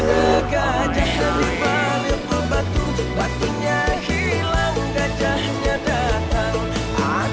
ada gajah yang dibalik pul batu batunya hilang gajahnya datang